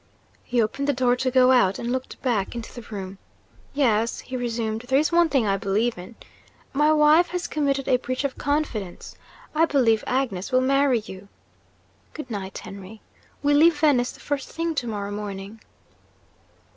He opened the door to go out, and looked back into the room. 'Yes,' he resumed, 'there is one thing I believe in. My wife has committed a breach of confidence I believe Agnes will marry you. Good night, Henry. We leave Venice the first thing to morrow morning.